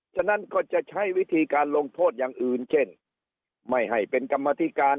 ฉะนั้นก็จะใช้วิธีการลงโทษอย่างอื่นเช่นไม่ให้เป็นกรรมธิการ